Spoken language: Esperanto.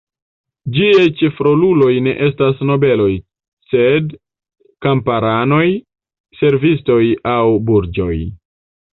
Ĝiaj ĉefroluloj ne estas nobeloj, sed kamparanoj, servistoj aŭ burĝoj.